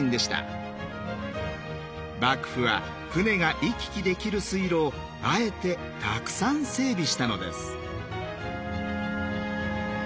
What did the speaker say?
幕府は船が行き来できる水路をあえてたくさん整備したのです。